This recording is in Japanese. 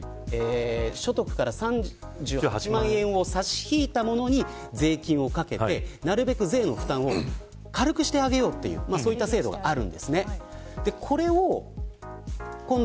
所得から３８万円を差し引いたものに税金をかけてなるべく税の負担を軽くしてあげようという制度があるんです。